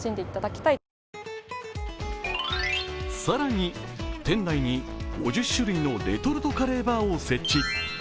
更に、店内に５０種類のレトルトカレーバーを設置。